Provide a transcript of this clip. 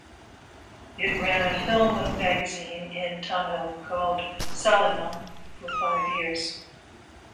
It ran a film magazine in Tamil called Salanam for five years.